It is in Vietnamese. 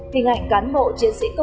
hình ảnh cán bộ chiến sĩ công an